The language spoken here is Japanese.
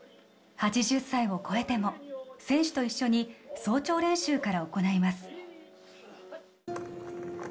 ８０歳を超えても選手と一緒に早朝練習から行います